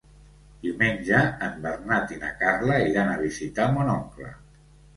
Diumenge en Bernat i na Carla iran a visitar mon oncle.